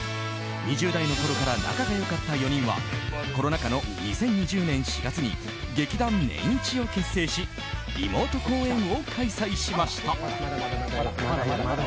２０代のころから仲が良かった４人はコロナ禍の２０２０年４月に劇団年一を結成しリモート公演を開催しました。